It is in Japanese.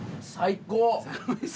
最高！